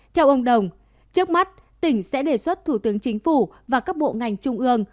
theo ông đồng trước mắt tỉnh sẽ đề xuất thủ tướng chính phủ và các bộ ngành trung ương